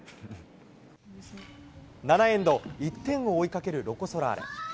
７エンド、１点を追いかけるロコ・ソラーレ。